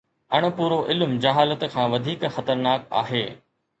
اڻپورو علم جهالت کان وڌيڪ خطرناڪ آهي.